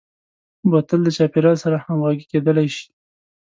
بوتل د چاپیریال سره همغږي کېدلای شي.